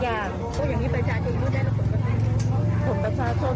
อย่างนี้ประจานจากอีกรูปได้หรือผลประชาชน